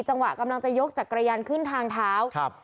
จังหวะกำลังจะยกจักรยานขึ้นทางเท้าครับ